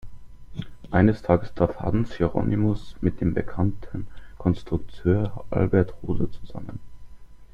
Eines Tages traf Hans Hieronymus mit dem bekannten Konstrukteur Albert Roder zusammen.